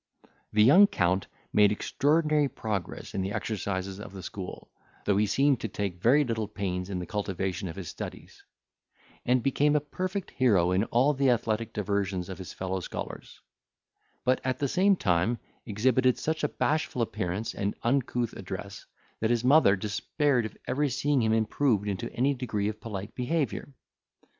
The young Count made extraordinary progress in the exercises of the school, though he seemed to take very little pains in the cultivation of his studies; and became a perfect hero in all the athletic diversions of his fellow scholars; but, at the same time, exhibited such a bashful appearance and uncouth address, that his mother despaired of ever seeing him improved into any degree of polite behaviour.